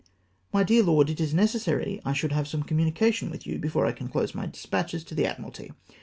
"My dear Lord, — It is necessary I should have some com munication with you before I close my despatches to the Admiralty.